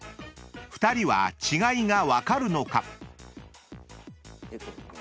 ［２人は違いが分かるのか？］